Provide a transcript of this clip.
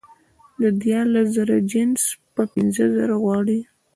د دیارلس زره جنس په پینځه زره غواړي